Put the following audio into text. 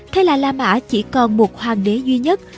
hay là la mã chỉ còn một hoàng đế duy nhất